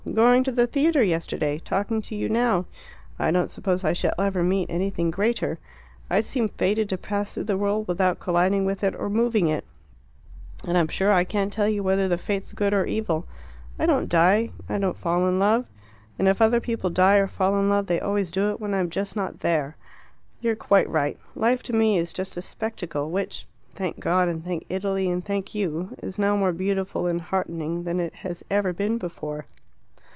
Going to the theatre yesterday, talking to you now I don't suppose I shall ever meet anything greater. I seem fated to pass through the world without colliding with it or moving it and I'm sure I can't tell you whether the fate's good or evil. I don't die I don't fall in love. And if other people die or fall in love they always do it when I'm just not there. You are quite right; life to me is just a spectacle, which thank God, and thank Italy, and thank you is now more beautiful and heartening than it has ever been before."